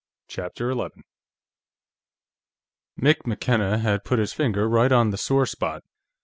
CHAPTER 11 Mick McKenna had put his finger right on the sore spot.